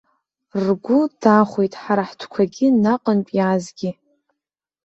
Ргәы дахәеит ҳара ҳтәқәагьы наҟынтә иаазгьы.